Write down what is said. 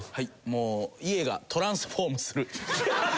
もう家がトランスフォームする。